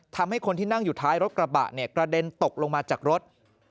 ทำให้คนที่นั่งอยู่ท้ายรถกระบะเนี่ยกระเด็นตกลงมาจากรถ